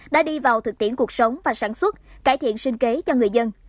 đã đi vào thực tiễn cuộc sống và sản xuất cải thiện sinh kế cho người dân